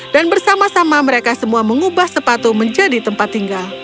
dan bersama sama mereka semua mengubah sepatu menjadi tempat tinggal